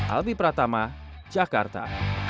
albi pratama jakarta